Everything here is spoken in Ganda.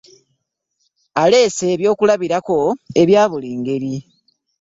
Oleese ebyokulabirako ebya buli ngeri.